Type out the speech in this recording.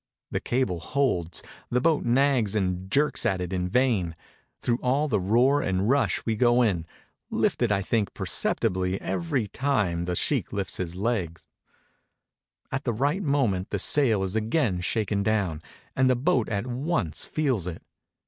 The cable holds; the boat nags and jerks at it in vain; through all the roar and rush we go on, hfted I think perceptibly every time the sheikh Ufts his leg. At the right moment the sail is again shaken down; and the boat at once feels it.